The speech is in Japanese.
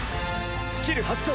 スキル発動！